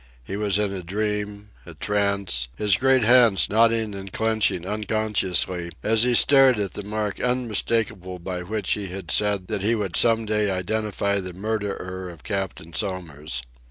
He was in a dream, a trance, his great hands knotting and clenching unconsciously as he stared at the mark unmistakable by which he had said that he would some day identify the murderer of Captain Somers.